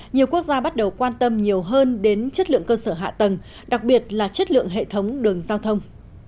nhiều quốc gia bắt đầu quan tâm nhiều hơn đến chất lượng cơ sở hạ tầng đặc biệt là chất lượng hệ thống đường giao thông